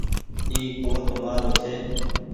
اي ڪوٽ مآ رو ڇي ۔